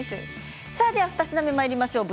では２品目にまいりましょう。